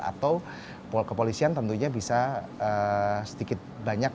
atau kepolisian tentunya bisa sedikit banyak